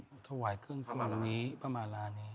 ขอถวายเครื่องสวนนี้พระมาลานี้